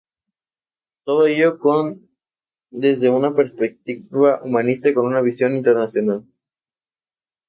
Entonces el poder real dejó de pertenecer a la antigua familia de reyes.